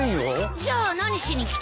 じゃあ何しに来たの？